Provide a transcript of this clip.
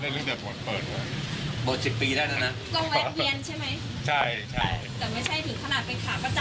อ๋อไม่มีประเภทรัศน์เสมอคนนอกห้ามเข้าทุกที่นั่นเลยไม่มี